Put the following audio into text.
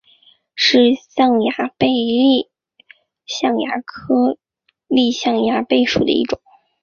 是象牙贝目丽象牙贝科丽象牙贝属的一种。